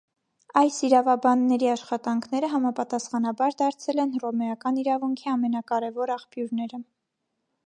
Այս իրավաբանների աշխատանքները համապատասխանաբար դարձել են հռոմեական իրավունքի ամենակարևոր աղբյուրները։